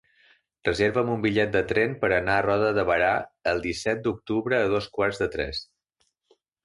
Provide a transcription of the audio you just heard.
Reserva'm un bitllet de tren per anar a Roda de Berà el disset d'octubre a dos quarts de tres.